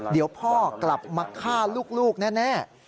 เดี๋ยวพ่อกลับมาฆ่าลูกแน่